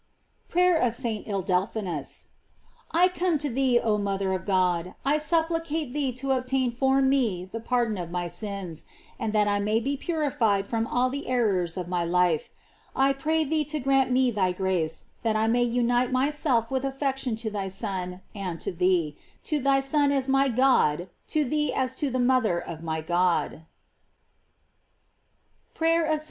PBATER OP ST. ILDEPHONSUS. I COME to thee, oh mother of God, I supplicate thee to obtain for me the pardon of my sins, and that I may be purified from all the errors of my life. I pray thee to grant me thy grace, that I may unite myself with affection to thy Son and to thee; to thy Son as to my God, to thee as to the mother of my God. 530 GLOEIES OF MABY.